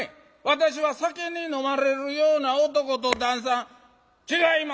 私は酒に飲まれるような男と旦さん違いま」。